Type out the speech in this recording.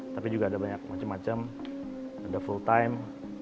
tapi juga ada banyak macam macam ada full time